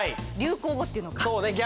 流行語っていうのか。